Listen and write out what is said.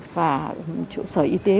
và chỗ sở y tế